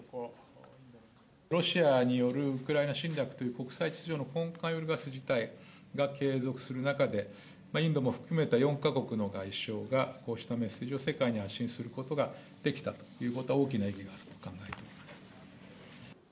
ロシアによるウクライナ侵略という国際秩序の根幹を揺るがす事態が継続する中で、インドも含めた４か国の外相が、こうしたメッセージを世界に発信することができたということは、大きな意義があると考えています。